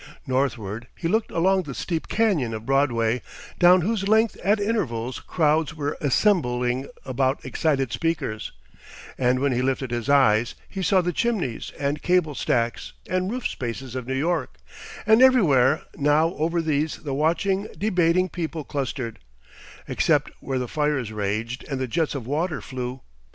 Northward he looked along the steep canon of Broadway, down whose length at intervals crowds were assembling about excited speakers; and when he lifted his eyes he saw the chimneys and cable stacks and roof spaces of New York, and everywhere now over these the watching, debating people clustered, except where the fires raged and the jets of water flew.